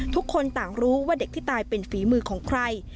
ทุกคนต่างรู้ว่าเด็กที่ตายเป็นฝีมือของใคร